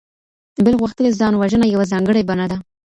بل غوښتلې ځان وژنه يوه ځانګړې بڼه ده.